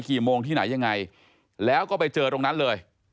กี่โมงที่ไหนยังไงแล้วก็ไปเจอตรงนั้นเลย